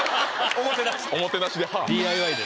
おもてなしで歯あ！